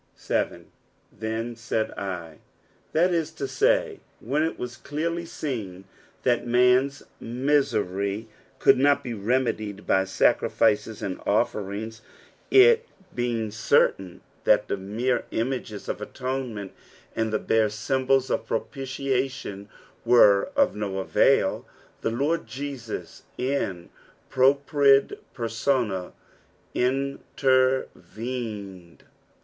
7. "T^mt »aid I, That ia to say, when it was clearly seen that man's misery PSALU THE FORTIETH. 265 could not be remedied b^ Mcrificcs and ofEeriugs. It being certain that tbe mere images of atonement, and the bare symbols of propitiation were cf no avail, the Lord Jesus, in propria permma, intervened.